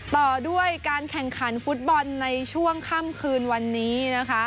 ต่อด้วยการแข่งขันฟุตบอลในช่วงค่ำคืนวันนี้นะคะ